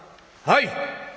「はい！」。